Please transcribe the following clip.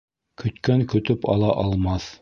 Көткән көтөп ала алмаҫ